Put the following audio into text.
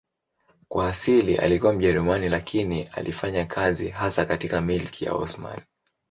Kwa asili alikuwa Mjerumani lakini alifanya kazi hasa katika Milki ya Osmani.